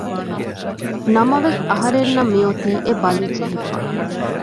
ނަމަވެސް އަހަރެންނަށް މި އޮތީ އެ ބަލި ޖެހިފަ